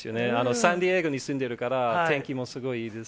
サンディエゴに住んでるから、天気もすごいいいです。